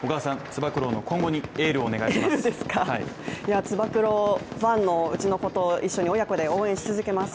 つば九郎ファンのうちの子と一緒に親子で応援し続けます。